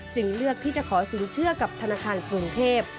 เลือกที่จะขอสินเชื่อกับธนาคารกรุงเทพ